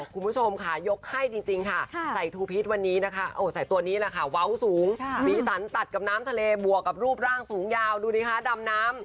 คุณผู้ชมค่ะยกให้จริงค่ะใส่ทูพีชวันนี้นะคะใส่ตัวนี้แหละค่ะเว้าสูงสีสันตัดกับน้ำทะเลบวกกับรูปร่างสูงยาวดูดิคะดำน้ำ